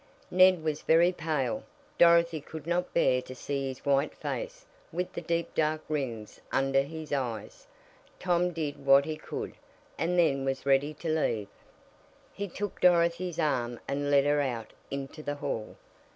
Ned was very pale. Dorothy could not bear to see his white face with the deep dark rings under his eyes. Tom did what he could, and then was ready to leave. He took Dorothy's arm and led her out into the hall.